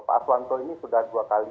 pak aswanto ini sudah dua kali